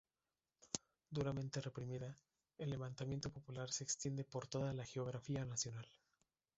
Duramente reprimida, el levantamiento popular se extiende por toda la geografía nacional.